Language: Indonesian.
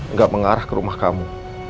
nggak mengarah ke rumah kamu